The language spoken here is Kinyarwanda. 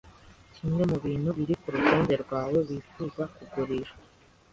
Kimwe mubintu biri kurutonde rwawe wifuza kugurishwa.